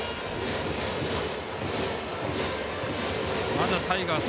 まだ、タイガース